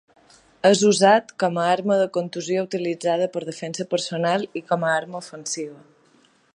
És usat com a arma de contusió utilitzada per defensa personal i com arma ofensiva.